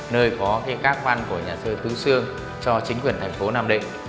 nơi có các văn của nhà sơ tế sương cho chính quyền thành phố nam định